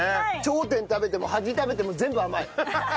頂点食べても端食べても全部甘い。